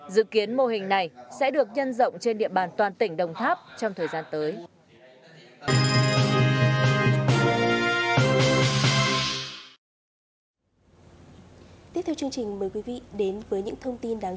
dự kiến mô hình này sẽ được nhân rộng trên địa bàn toàn tỉnh đồng tháp trong thời gian tới